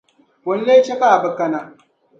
Bo n-lee che ka a bi kana?